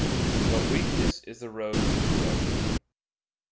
But weakness is the road to corruption.